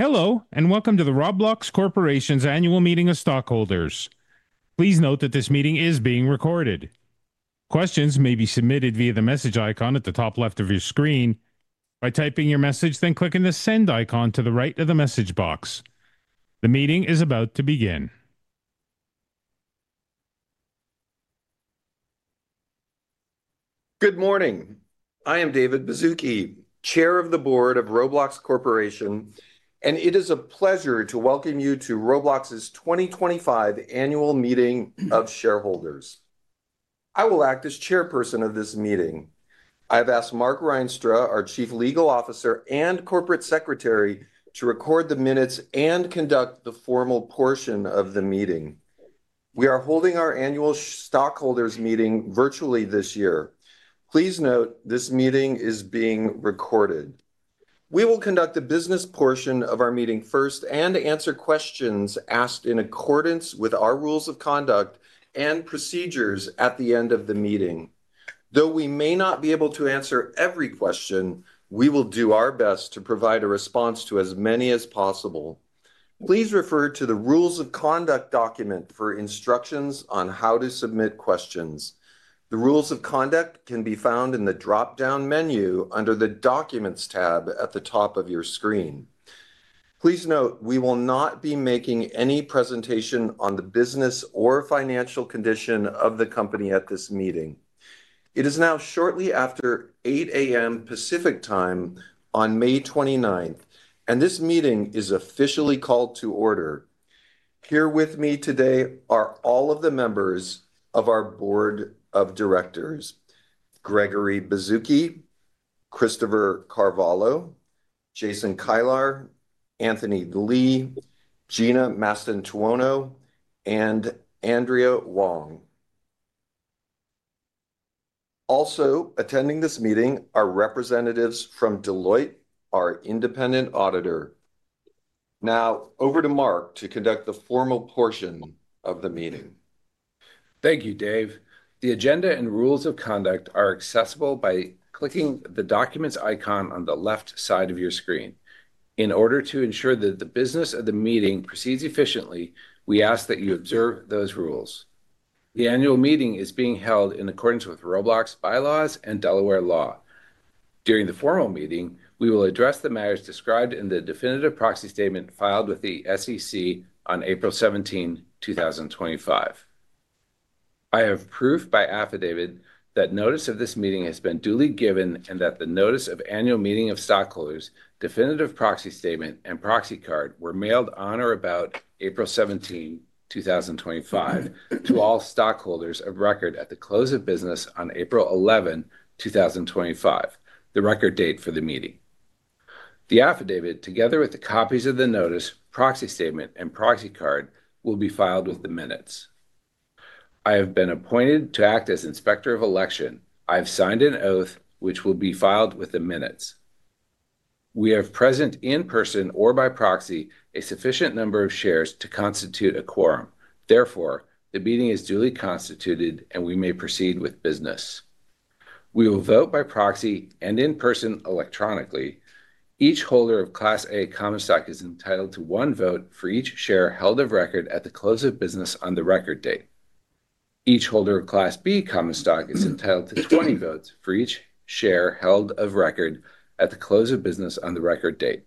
Hello, and welcome to the Roblox Corporation's Annual Meeting of Stockholders. Please note that this meeting is being recorded. Questions may be submitted via the message icon at the top left of your screen. By typing your message, then clicking the send icon to the right of the message box. The meeting is about to begin. Good morning. I am David Baszucki, Chair of the Board of Roblox Corporation, and it is a pleasure to welcome you to Roblox's 2025 Annual Meeting of Shareholders. I will act as Chairperson of this meeting. I have asked Mark Reinstra, our Chief Legal Officer and Corporate Secretary, to record the minutes and conduct the formal portion of the meeting. We are holding our Annual Stockholders Meeting virtually this year. Please note this meeting is being recorded. We will conduct the business portion of our meeting first and answer questions asked in accordance with our rules of conduct and procedures at the end of the meeting. Though we may not be able to answer every question, we will do our best to provide a response to as many as possible. Please refer to the Rules of Conduct document for instructions on how to submit questions. The Rules of Conduct can be found in the drop-down menu under the Documents tab at the top of your screen. Please note we will not be making any presentation on the business or financial condition of the company at this meeting. It is now shortly after 8:00 A.M. Pacific Time on May 29th, and this meeting is officially called to order. Here with me today are all of the members of our Board of Directors: Gregory Baszucki, Christopher Carvalho, Jason Kilar, Anthony Lee, Gina Mastantuono, and Andrea Wong. Also attending this meeting are representatives from Deloitte, our independent auditor. Now over to Mark to conduct the formal portion of the meeting. Thank you, Dave. The agenda and rules of conduct are accessible by clicking the documents icon on the left side of your screen. In order to ensure that the business of the meeting proceeds efficiently, we ask that you observe those rules. The annual meeting is being held in accordance with Roblox bylaws and Delaware law. During the formal meeting, we will address the matters described in the definitive proxy statement filed with the SEC on April 17, 2025. I have proof by affidavit that notice of this meeting has been duly given and that the notice of annual meeting of stockholders, definitive proxy statement, and proxy card were mailed on or about April 17, 2025, to all stockholders of record at the close of business on April 11, 2025, the record date for the meeting. The affidavit, together with the copies of the notice, proxy statement, and proxy card, will be filed with the minutes. I have been appointed to act as Inspector of Election. I have signed an oath, which will be filed with the minutes. We have present in person or by proxy a sufficient number of shares to constitute a quorum. Therefore, the meeting is duly constituted, and we may proceed with business. We will vote by proxy and in person electronically. Each holder of Class A common stock is entitled to one vote for each share held of record at the close of business on the record date. Each holder of Class B common stock is entitled to 20 votes for each share held of record at the close of business on the record date.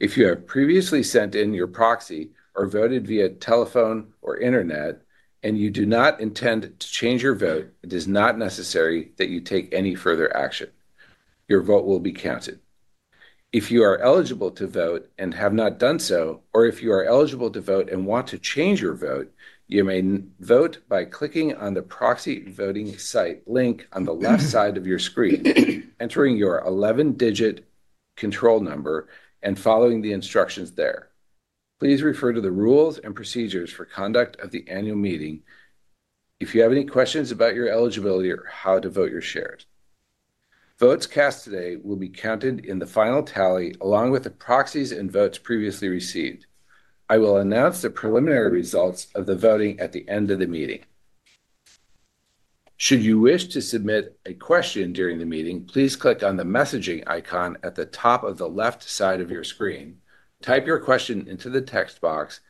If you have previously sent in your proxy or voted via telephone or internet, and you do not intend to change your vote, it is not necessary that you take any further action. Your vote will be counted. If you are eligible to vote and have not done so, or if you are eligible to vote and want to change your vote, you may vote by clicking on the proxy voting site link on the left side of your screen, entering your 11-digit control number and following the instructions there. Please refer to the rules and procedures for conduct of the annual meeting. If you have any questions about your eligibility or how to vote your shares, votes cast today will be counted in the final tally along with the proxies and votes previously received. I will announce the preliminary results of the voting at the end of the meeting. Should you wish to submit a question during the meeting, please click on the messaging icon at the top of the left side of your screen. Type your question into the text box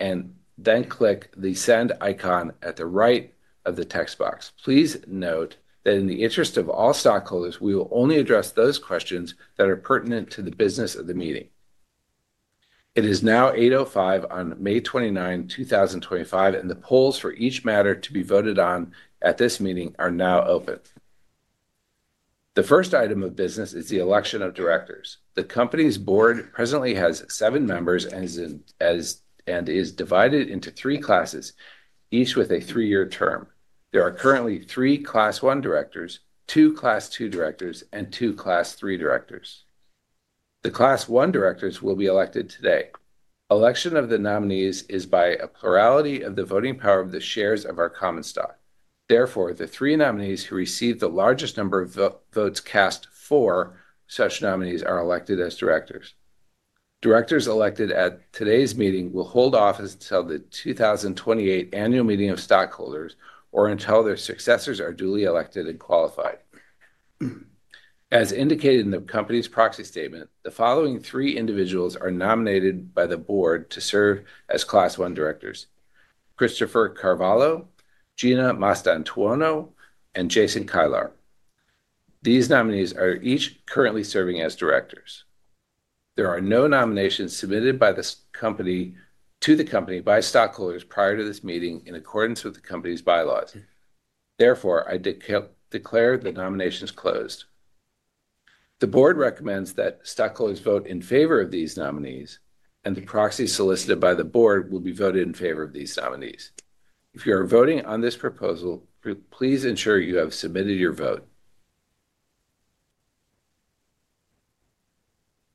and then click the send icon at the right of the text box. Please note that in the interest of all stockholders, we will only address those questions that are pertinent to the business of the meeting. It is now 8:05 A.M. on May 29, 2025, and the polls for each matter to be voted on at this meeting are now open. The first item of business is the election of directors. The company's board presently has seven members and is divided into three classes, each with a three-year term. There are currently three Class One directors, two Class Two directors, and two Class Three directors. The Class One directors will be elected today. Election of the nominees is by a plurality of the voting power of the shares of our common stock. Therefore, the three nominees who receive the largest number of votes cast for such nominees are elected as directors. Directors elected at today's meeting will hold office until the 2028 Annual Meeting of Stockholders or until their successors are duly elected and qualified. As indicated in the company's proxy statement, the following three individuals are nominated by the board to serve as Class One directors: Christopher Carvalho, Gina Mastantuono, and Jason Kilar. These nominees are each currently serving as directors. There are no nominations submitted to the company by stockholders prior to this meeting in accordance with the company's bylaws. Therefore, I declare the nominations closed. The board recommends that stockholders vote in favor of these nominees, and the proxies solicited by the board will be voted in favor of these nominees. If you are voting on this proposal, please ensure you have submitted your vote.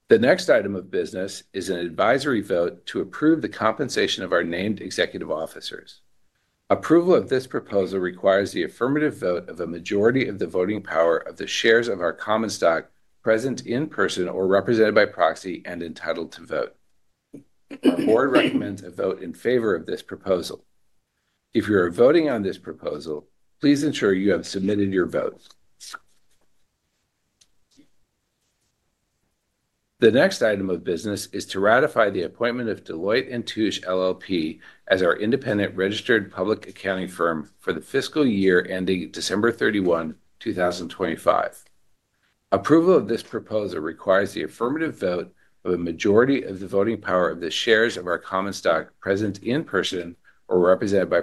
The next item of business is an advisory vote to approve the compensation of our named executive officers. Approval of this proposal requires the affirmative vote of a majority of the voting power of the shares of our common stock present in person or represented by proxy and entitled to vote. Our board recommends a vote in favor of this proposal. If you are voting on this proposal, please ensure you have submitted your vote. The next item of business is to ratify the appointment of Deloitte & Touche LLP as our independent registered public accounting firm for the fiscal year ending December 31, 2025. Approval of this proposal requires the affirmative vote of a majority of the voting power of the shares of our common stock present in person or represented by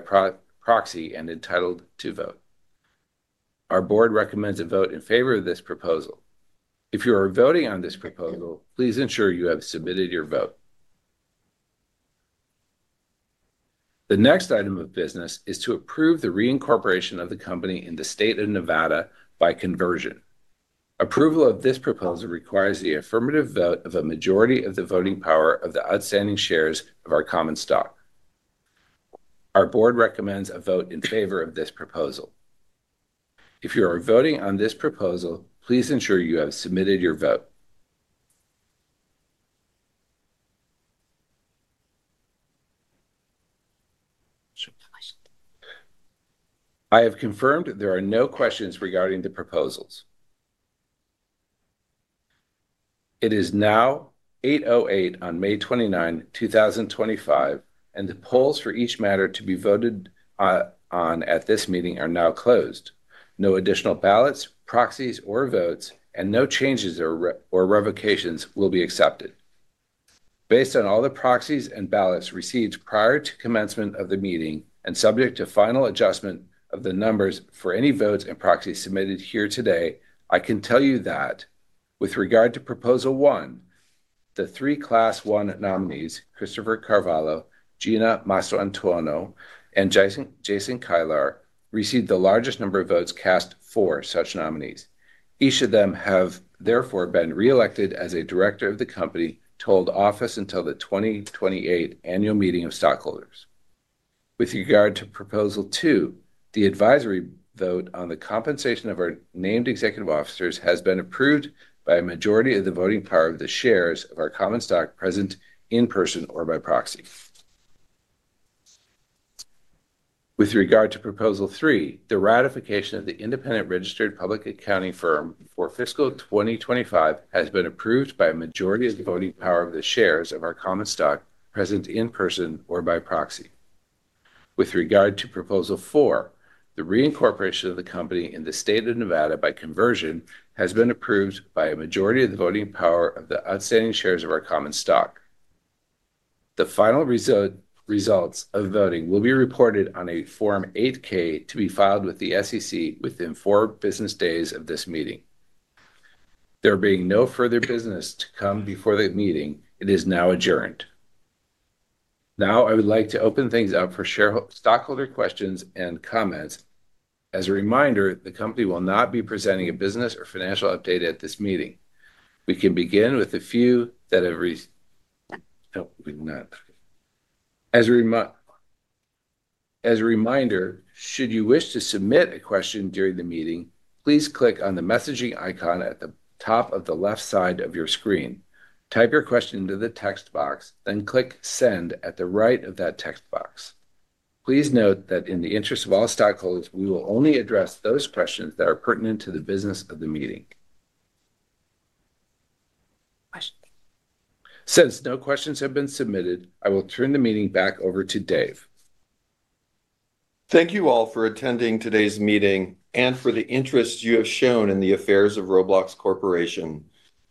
proxy and entitled to vote. Our board recommends a vote in favor of this proposal. If you are voting on this proposal, please ensure you have submitted your vote. The next item of business is to approve the reincorporation of the company in the state of Nevada by conversion. Approval of this proposal requires the affirmative vote of a majority of the voting power of the outstanding shares of our common stock. Our board recommends a vote in favor of this proposal. If you are voting on this proposal, please ensure you have submitted your vote. I have confirmed there are no questions regarding the proposals. It is now 8:08 A.M. on May 29, 2025, and the polls for each matter to be voted on at this meeting are now closed. No additional ballots, proxies, or votes, and no changes or revocations will be accepted. Based on all the proxies and ballots received prior to commencement of the meeting and subject to final adjustment of the numbers for any votes and proxies submitted here today, I can tell you that with regard to proposal one, the three Class One nominees, Christopher Carvalho, Gina Mastantuono, and Jason Kilar, received the largest number of votes cast for such nominees. Each of them have therefore been reelected as a director of the company to hold office until the 2028 Annual Meeting of Stockholders. With regard to proposal two, the advisory vote on the compensation of our named executive officers has been approved by a majority of the voting power of the shares of our common stock present in person or by proxy. With regard to proposal three, the ratification of the independent registered public accounting firm for fiscal 2025 has been approved by a majority of the voting power of the shares of our common stock present in person or by proxy. With regard to proposal four, the reincorporation of the company in the state of Nevada by conversion has been approved by a majority of the voting power of the outstanding shares of our common stock. The final results of voting will be reported on a Form 8-K to be filed with the SEC within four business days of this meeting. There being no further business to come before the meeting, it is now adjourned. Now, I would like to open things up for stockholder questions and comments. As a reminder, the company will not be presenting a business or financial update at this meeting. We can begin with a few that have, as a reminder, should you wish to submit a question during the meeting, please click on the messaging icon at the top of the left side of your screen. Type your question into the text box, then click send at the right of that text box. Please note that in the interest of all stockholders, we will only address those questions that are pertinent to the business of the meeting. Since no questions have been submitted, I will turn the meeting back over to Dave. Thank you all for attending today's meeting and for the interest you have shown in the affairs of Roblox Corporation.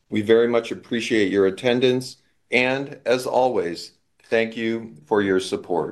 We very much appreciate your attendance, and as always, thank you for your support.